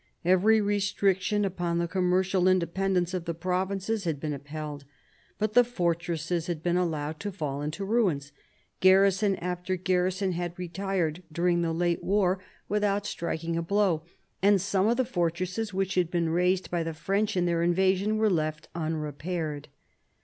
Every restriction upon the commercial inde pendence of the provinces had been upheld ; but the fortresses had been allowed to fall into ruins, garrison after garrison had retired during the late war without striking 1748 55 CHANGE OF ALLIANCES 99 a blow, and some of the fortresses which had been razed by the French in their invasion were still left unrepaired.